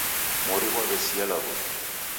Mori ghwaw'esia law'uke